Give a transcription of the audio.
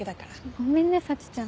ごめんね沙智ちゃん